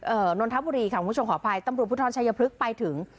เอ่อนนทพุรีค่ะคุณผู้ชมขออภัยตำรวจพุทธรณ์ชายพลึกไปถึง